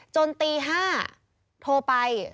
จนตีห้าโทรไป